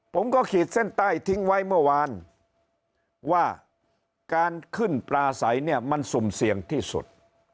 ขีดเส้นใต้ทิ้งไว้เมื่อวานว่าการขึ้นปลาใสเนี่ยมันสุ่มเสี่ยงที่สุด